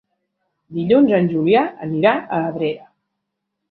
Dilluns en Julià anirà a Abrera.